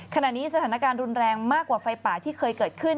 ขณะนี้สถานการณ์รุนแรงมากกว่าไฟป่าที่เคยเกิดขึ้น